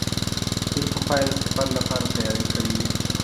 ډېر پخوا یې د سفر لپاره تیاری کړی و.